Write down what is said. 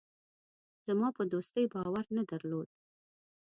زما په دوستۍ باور نه درلود.